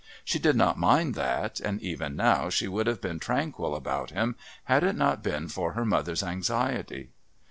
She did not mind that, and even now she would have been tranquil about him had it not been for her mother's anxiety.